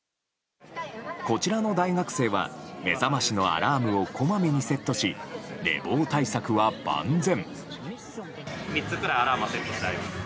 こちらの大学生は目覚ましのアラームをこまめにセットし寝坊対策は万全。